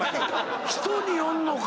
人によんのか。